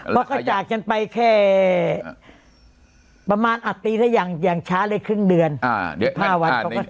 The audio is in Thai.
แล้วก็จากฉันไปแค่ประมาณอัตรีถ้าอย่างอย่างช้าเลยครึ่งเดือนอ่า